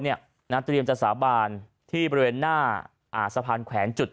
เตรียมจะสาบานที่บริเวณหน้าสะพานแขวนจุด